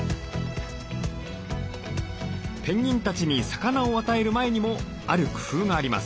ペンギンたちに魚を与える前にもある工夫があります。